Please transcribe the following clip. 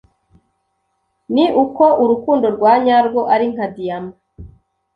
ni uko urukundo rwa nyarwo ari nka diyama